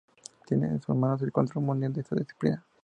Tiene en sus manos el control mundial de esta disciplina.